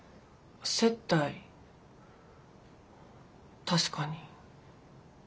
接待確かに。